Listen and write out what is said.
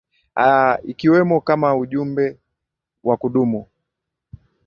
a ikiwemo kama mjumbe wa kudumu